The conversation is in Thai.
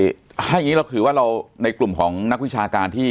ถ้าอย่างนี้เราคิดว่าในกลุ่มของนักวิชาการ